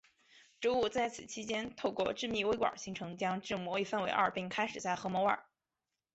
植物在此期间透过致密微管形成将质膜一分为二并开始在核膜外。